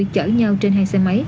chở nhau trên hai xe máy